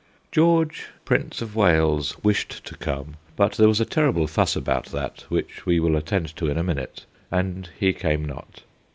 George, Prince of Wales, wished to come, but there was a terrible fuss about that, which we will attend to in a minute, and he came not.